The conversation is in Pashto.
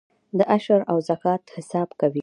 د عشر او زکات حساب کوئ؟